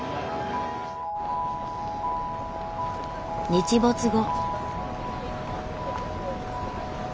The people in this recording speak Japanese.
日没後。